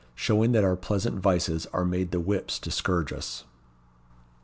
Showing that "our pleasant vices are made the whips to scourge us."